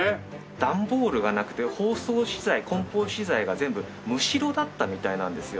段ボールがなくて包装資材梱包資材が全部むしろだったみたいなんですよね。